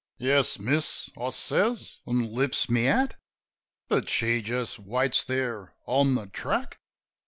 "Yes, miss," I says, an' lifts my hat. But she just waits there on the track.